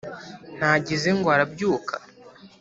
ntagize ngo arabyuka,